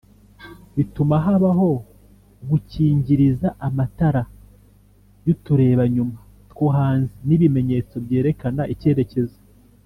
Bituma habaho gukingiriza amatara y’turebanyuma two hanze n’ibimenyetso byerekana icyerekezo